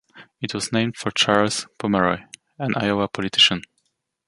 It was named for Charles Pomeroy, an Iowa politician.